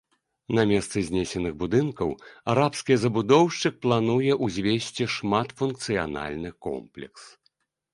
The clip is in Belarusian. На месцы знесеных будынкаў арабскі забудоўшчык плануе ўзвесці шматфункцыянальны комплекс.